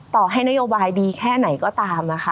ต่อให้นโยบายดีแค่ไหนก็ตามนะคะ